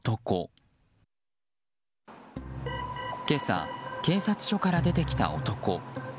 今朝、警察署から出てきた男。